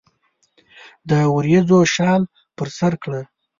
د وریځو شال پر سرکړه